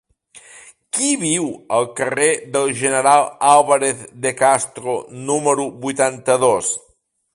Qui viu al carrer del General Álvarez de Castro número vuitanta-dos?